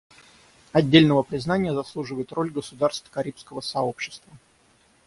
Отдельного признания заслуживает роль государств Карибского сообщества.